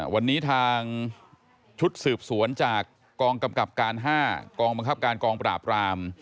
วันนี้ทางชุดสืบสวนจากกองกำกับการ๕กองบังคับการกองปราบราม